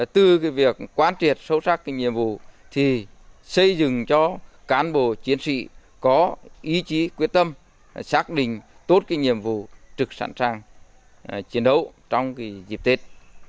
tốt cái nhiệm vụ trực sẵn sàng chiến đấu trong dịp tết